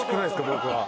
僕は。